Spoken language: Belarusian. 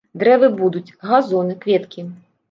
Дрэвы будуць, газоны, кветкі.